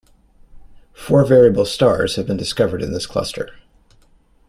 Four variable stars have been discovered in this cluster.